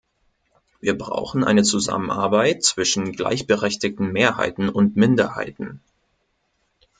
Wir brauchen eine Zusammenarbeit zwischen gleichberechtigten Mehrheiten und Minderheiten.